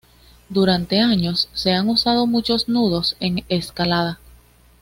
Durante años se han usado muchos nudos en escalada.